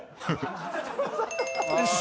よし。